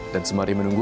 dan semari menunggu